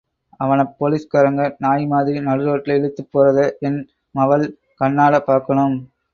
அவனப் போலீஸ்காரங்க நாய் மாதிரி நடுரோட்ல இழுத்துட்டுப் போறத என் மவள் கண்ணால பாக்கணும்.